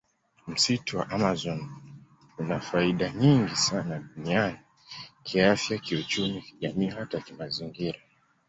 Msitu wa amazon huna faida nyingi sana duniani kiafya kiuchumi kijamii hata kimazingira